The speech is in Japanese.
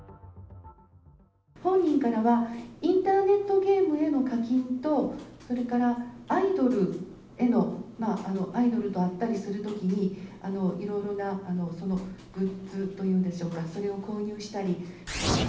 本人からは、インターネットゲームへの課金とそれから、アイドルへの、アイドルに会ったりするときに、いろいろなグッズというんでしょうか、それを購入したり。